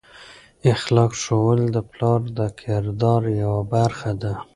اخلاق ښوول د پلار د کردار یوه برخه ده.